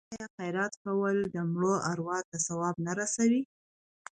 آیا خیرات کول د مړو ارواو ته ثواب نه رسوي؟